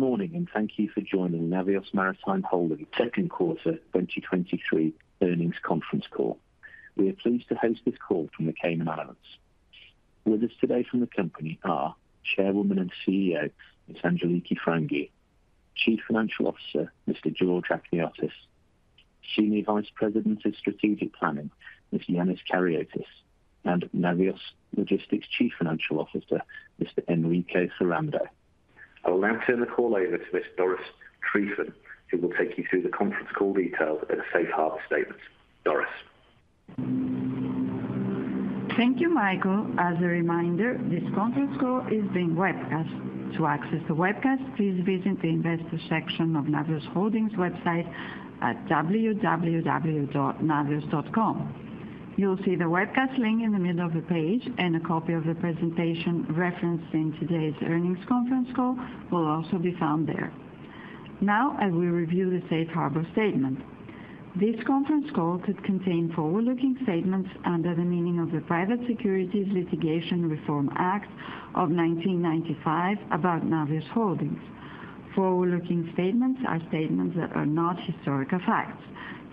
Good morning, and thank you for joining Navios Maritime Holdings second quarter 2023 earnings conference call. We are pleased to host this call from the Cayman Islands. With us today from the company are Chairwoman and CEO, Ms. Angeliki Frangou, Chief Financial Officer, Mr. George Achniotis, Senior Vice President of Strategic Planning, Mr. Ioannis Karyotis, and Navios Logistics Chief Financial Officer, Mr. Enrique Ferrando. I will now turn the call over to Ms. Doris Treifin, who will take you through the conference call details and safe harbor statements. Doris? Thank you, Michael. As a reminder, this conference call is being webcast. To access the webcast, please visit the investor section of Navios Holdings website at www.navios.com. You'll see the webcast link in the middle of the page, and a copy of the presentation referenced in today's earnings conference call will also be found there. Now, I will review the safe harbor statement. This conference call could contain forward-looking statements under the meaning of the Private Securities Litigation Reform Act of 1995 about Navios Holdings. Forward-looking statements are statements that are not historical facts.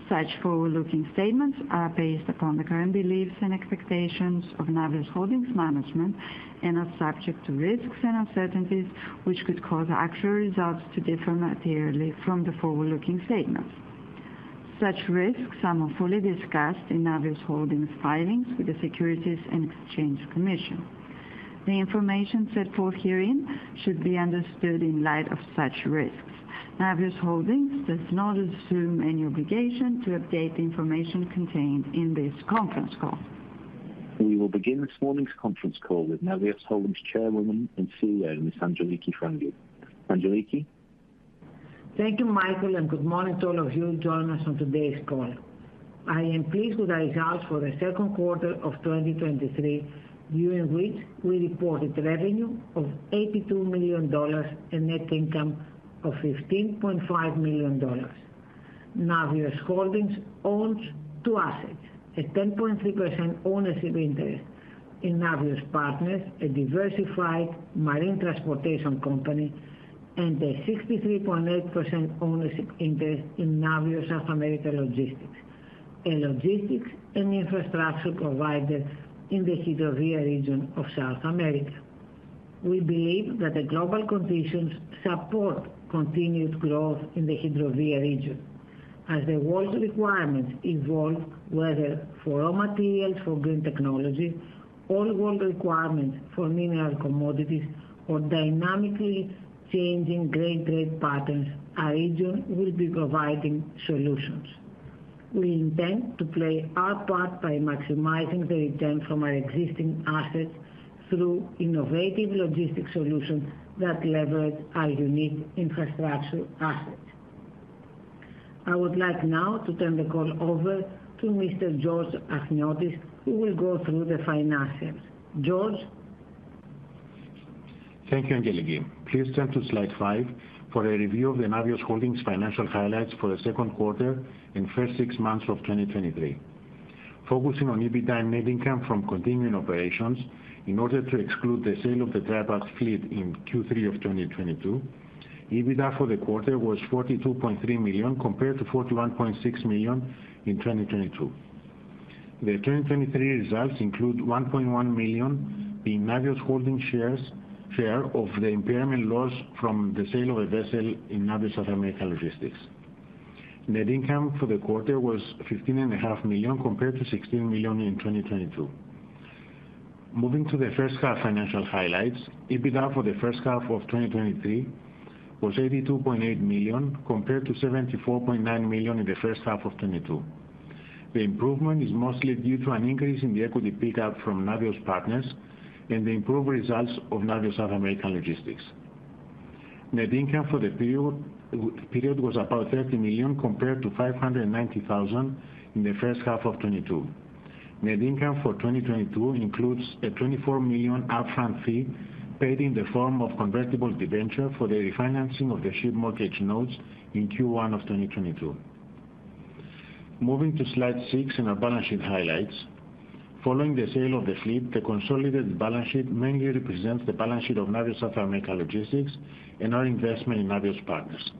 Such forward-looking statements are based upon the current beliefs and expectations of Navios Holdings management and are subject to risks and uncertainties, which could cause actual results to differ materially from the forward-looking statements. Such risks are more fully discussed in Navios Holdings' filings with the Securities and Exchange Commission. The information set forth herein should be understood in light of such risks. Navios Holdings does not assume any obligation to update the information contained in this conference call. We will begin this morning's conference call with Navios Holdings Chairwoman and CEO, Ms. Angeliki Frangou. Angeliki? Thank you, Michael, and good morning to all of you joining us on today's call. I am pleased with the results for the second quarter of 2023, during which we reported revenue of $82 million and net income of $15.5 million. Navios Holdings owns two assets, a 10.3% ownership interest in Navios Partners, a diversified marine transportation company, and a 63.8% ownership interest in Navios South American Logistics, a logistics and infrastructure provider in the Hidrovía region of South America. We believe that the global conditions support continued growth in the Hidrovía region. As the world requirements evolve, whether for raw materials for green technology or world requirements for mineral commodities or dynamically changing gray trade patterns, our region will be providing solutions. We intend to play our part by maximizing the return from our existing assets through innovative logistics solutions that leverage our unique infrastructure assets. I would like now to turn the call over to Mr. George Achniotis, who will go through the financials. George? Thank you, Angeliki. Please turn to slide 5 for a review of the Navios Holdings financial highlights for the second quarter and first six months of 2023. Focusing on EBITDA and net income from continuing operations in order to exclude the sale of the dry bulk fleet in Q3 of 2022. EBITDA for the quarter was $42.3 million, compared to $41.6 million in 2022. The 2023 results include $1.1 million in Navios Holdings shares, share of the impairment loss from the sale of a vessel in Navios South American Logistics. Net income for the quarter was $15.5 million, compared to $16 million in 2022. Moving to the first half financial highlights. EBITDA for the first half of 2023 was $82.8 million, compared to $74.9 million in the first half of 2022. The improvement is mostly due to an increase in the equity pick up from Navios Partners and the improved results of Navios South American Logistics. Net income for the period was about $30 million, compared to $590,000 in the first half of 2022. Net income for 2022 includes a $24 million upfront fee paid in the form of convertible debenture for the refinancing of the ship mortgage notes in Q1 of 2022. Moving to slide 6 in our balance sheet highlights. Following the sale of the fleet, the consolidated balance sheet mainly represents the balance sheet of Navios South American Logistics and our investment in Navios Partners.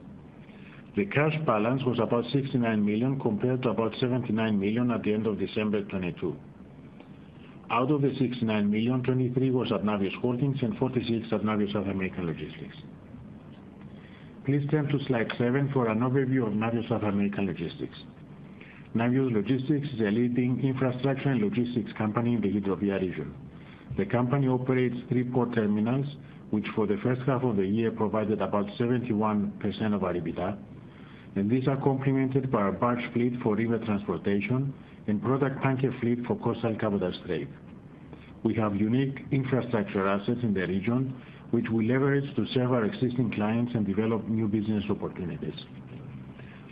The cash balance was about $69 million, compared to about $79 million at the end of December 2022. Out of the $69 million, $23 million was at Navios Holdings and $46 million at Navios South American Logistics. Please turn to slide 7 for an overview of Navios South American Logistics. Navios Logistics is a leading infrastructure and logistics company in the Hidrovía region. The company operates three port terminals, which for the first half of the year provided about 71% of our EBITDA, and these are complemented by our barge fleet for river transportation and product tanker fleet for coastal cabotage trade. We have unique infrastructure assets in the region, which we leverage to serve our existing clients and develop new business opportunities.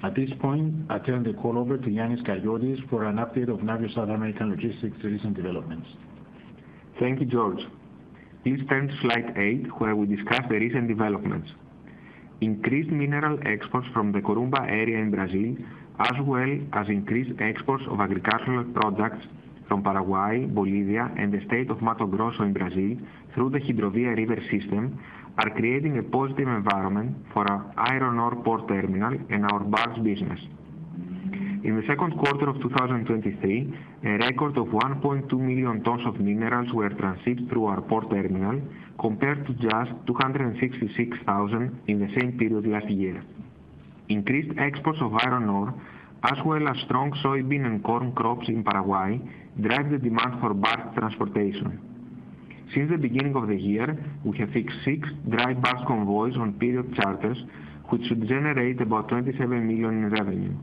At this point, I turn the call over to Ioannis Karyotis for an update of Navios South American Logistics recent developments. Thank you, George. Please turn to slide 8, where we discuss the recent developments. Increased mineral exports from the Corumbá area in Brazil, as well as increased exports of agricultural products from Paraguay, Bolivia, and the state of Mato Grosso in Brazil through the Hidrovía River system are creating a positive environment for our iron ore port terminal and our barge business. In the second quarter of 2023, a record of 1.2 million tons of minerals were transited through our port terminal, compared to just 266,000 in the same period last year. Increased exports of iron ore, as well as strong soybean and corn crops in Paraguay, drive the demand for barge transportation. Since the beginning of the year, we have fixed six dry barge convoys on period charters, which should generate about $27 million in revenue.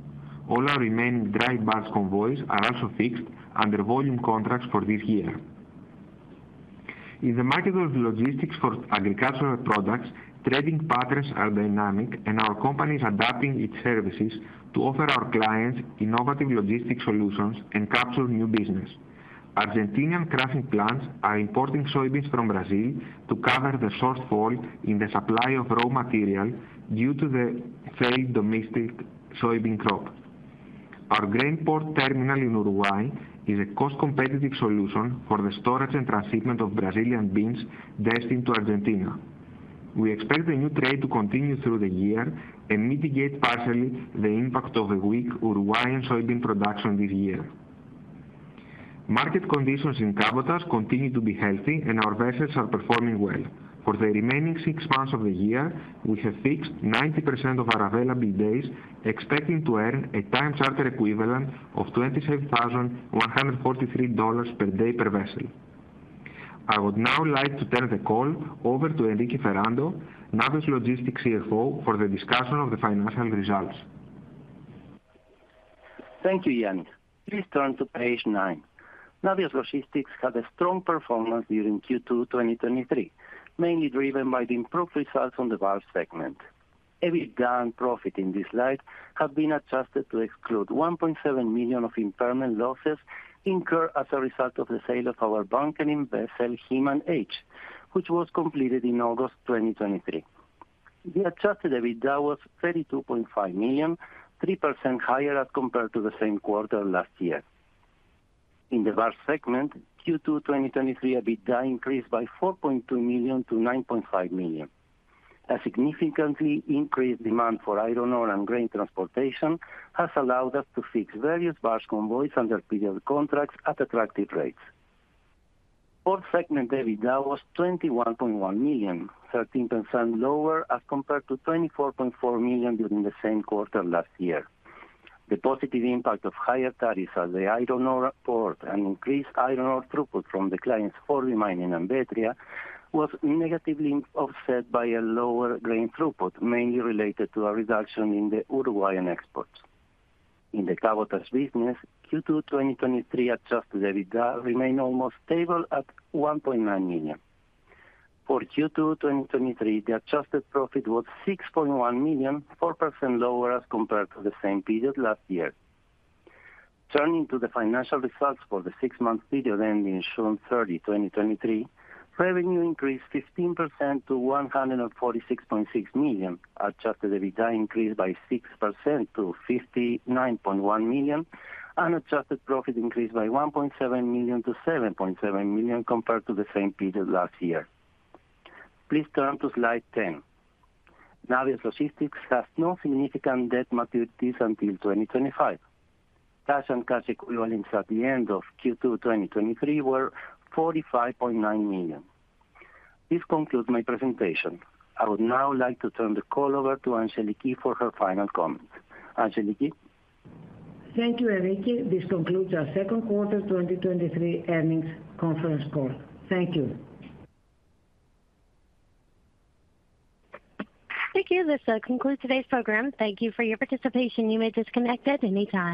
All our remaining dry barge convoys are also fixed under volume contracts for this year. In the market of logistics for agricultural products, trading patterns are dynamic, and our company is adapting its services to offer our clients innovative logistics solutions and capture new business. Argentinian crushing plants are importing soybeans from Brazil to cover the shortfall in the supply of raw material due to the failed domestic soybean crop. Our grain port terminal in Uruguay is a cost-competitive solution for the storage and transshipment of Brazilian beans destined to Argentina. We expect the new trade to continue through the year and mitigate partially the impact of a weak Uruguayan soybean production this year. Market conditions in cabotage continue to be healthy, and our vessels are performing well. For the remaining six months of the year, we have fixed 90% of our available days, expecting to earn a time charter equivalent of $25,143 per day per vessel. I would now like to turn the call over to Enrique Ferrando, Navios Logistics CFO, for the discussion of the financial results. Thank you, Yannis. Please turn to page 9. Navios Logistics had a strong performance during Q2 2023, mainly driven by the improved results on the barge segment. EBITDA and profit in this slide have been adjusted to exclude $1.7 million of impairment losses incurred as a result of the sale of our bunkering vessel, He Man H, which was completed in August 2023. The adjusted EBITDA was $32.5 million, 3% higher as compared to the same quarter last year. In the barge segment, Q2 2023, EBITDA increased by $4.2 million to $9.5 million. A significantly increased demand for iron ore and grain transportation has allowed us to fix various barge convoys under period contracts at attractive rates. Port segment EBITDA was $21.1 million, 13% lower as compared to $24.4 million during the same quarter last year. The positive impact of higher tariffs on the iron ore port and increased iron ore throughput from the clients Orlemann and Ambatria was negatively offset by a lower grain throughput, mainly related to a reduction in the Uruguayan exports. In the cabotage business, Q2 2023 adjusted EBITDA remained almost stable at $1.9 million. For Q2 2023, the adjusted profit was $6.1 million, 4% lower as compared to the same period last year. Turning to the financial results for the six-month period ending June 30, 2023, revenue increased 15% to $146.6 million. Adjusted EBITDA increased by 6% to $59.1 million, and adjusted profit increased by $1.7 million to $7.7 million compared to the same period last year. Please turn to slide 10. Navios Logistics has no significant debt maturities until 2025. Cash and cash equivalents at the end of Q2 2023 were $45.9 million. This concludes my presentation. I would now like to turn the call over to Angeliki for her final comments. Angeliki? Thank you, Enrique. This concludes our second quarter 2023 earnings conference call. Thank you. Thank you. This concludes today's program. Thank you for your participation. You may disconnect at any time.